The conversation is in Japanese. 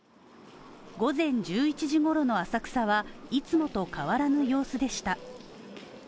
午前１１時ごろの浅草はいつもと変わらぬ様子でした。